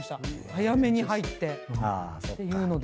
早めに入ってっていうので。